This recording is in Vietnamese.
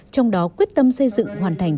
trong đó quyết tâm xây dựng hoàn thành